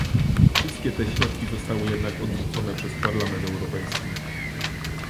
Wszystkie te środki zostały jednak odrzucone przez Parlament Europejski